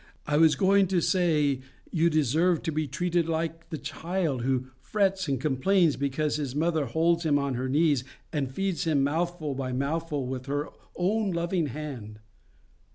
—I was going to say, you deserve to be treated like the child who frets and complains because his mother holds him on her knee and feeds him mouthful by mouthful with her own loving hand.